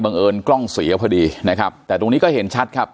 เอิญกล้องเสียพอดีนะครับแต่ตรงนี้ก็เห็นชัดครับ